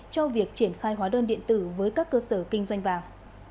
cho việc triển khai hóa đơn điện tử với các cơ sở kinh doanh vàng